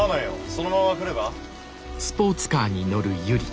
そのまま来れば？